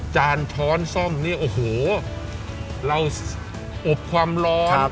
จานช้อนซ่อมเนี่ยโอ้โหเราอบความร้อน